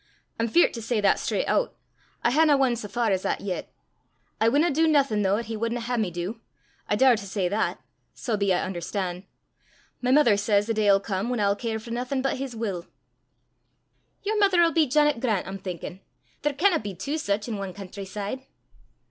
I'm feart to say that straucht oot; I haena won sae far as that yet. I winna du naething though 'at he wadna hae me du. I daur to say that sae be I un'erstan'. My mither says the day 'ill come whan I'll care for naething but his wull." "Yer mither 'ill be Janet Grant, I'm thinkin'! There canna be twa sic in ae country side!"